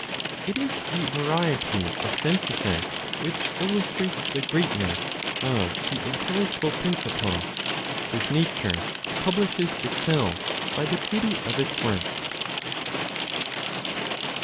It is the variety of sense effects which illustrates the greatness of the intelligible principle, whose nature publishes itself by the beauty of its works.